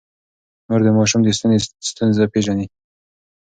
مور د ماشوم د ستوني ستونزه پېژني.